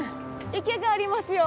池がありますよ